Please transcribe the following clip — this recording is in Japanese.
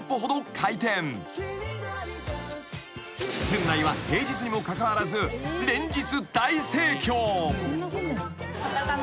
［店内は平日にもかかわらず連日］